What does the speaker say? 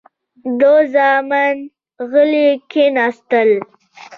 دوه زامن غلي کېناستل.